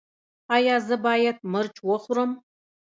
ایا زه باید مرچ وخورم؟